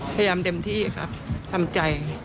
เต็มที่ครับทำใจ